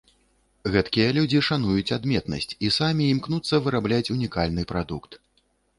Гэткія людзі шануюць адметнасць, і самі імкнуцца вырабляць унікальны прадукт.